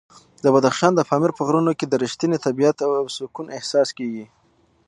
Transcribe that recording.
د بدخشان د پامیر په غرونو کې د رښتیني طبیعت او سکون احساس کېږي.